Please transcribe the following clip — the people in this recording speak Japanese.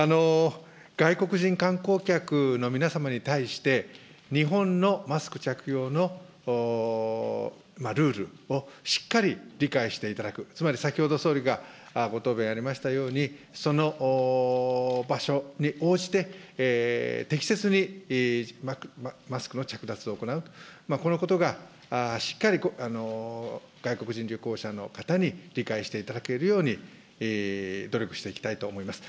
外国人観光客の皆様に対して、日本のマスク着用のルールをしっかり理解していただく、つまり先ほど総理がご答弁ありましたように、その場所に応じて、適切にマスクの着脱を行う、このことがしっかり外国人旅行者の方に理解していただけるように、努力していきたいと思います。